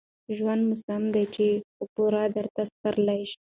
ژوند موسم دى چا په پور درته سپارلى